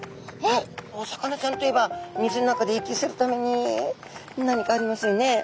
お魚ちゃんといえば水の中で息するために何かありますよね。